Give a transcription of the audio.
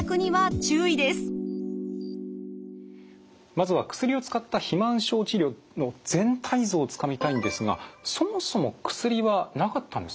まずは薬を使った肥満症治療の全体像をつかみたいんですがそもそも薬はなかったんですか？